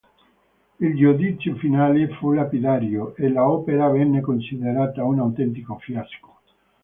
Il giudizio finale fu lapidario e l'opera venne considerata un autentico fiasco.